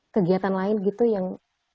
kegiatan lain gitu yang